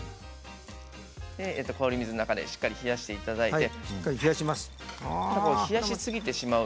氷水の中でしっかり冷やしていただいて。